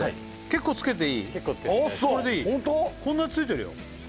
結構つけていただいてこんなついてるよ